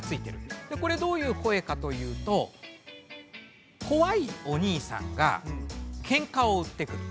でこれどういう声かというとこわいお兄さんがケンカを売ってくる。